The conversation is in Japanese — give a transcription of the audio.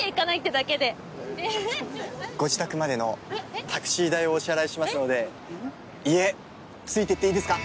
ご自宅までのタクシー代をお支払いしますので家、ついて行ってイイですか？